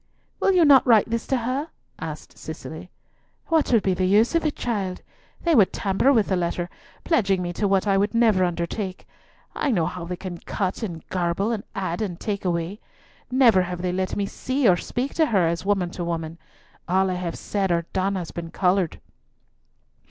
"Will you not write this to her?" asked Cicely. "What would be the use of it, child? They would tamper with the letter, pledging me to what I never would undertake. I know how they can cut and garble, add and take away! Never have they let me see or speak to her as woman to woman. All I have said or done has been coloured."